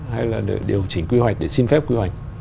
hay là điều chỉnh quy hoạch để xin phép quy hoạch